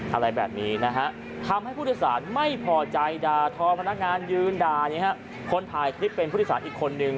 อะไรแบบนี้นะฮะทำให้ผู้โดยสารไม่พอใจด่าทอพนักงานยืนด่าคนถ่ายคลิปเป็นผู้โดยสารอีกคนนึง